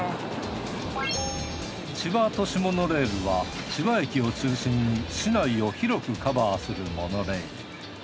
千葉都市モノレールは千葉駅を中心に市内を広くカバーするモノレール。